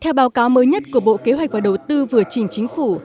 theo báo cáo mới nhất của bộ kế hoạch và đầu tư vừa trình chính phủ